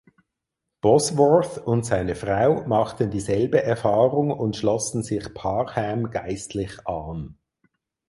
Bosworth und seine Frau machten dieselbe Erfahrung und schlossen sich Parham geistlich an.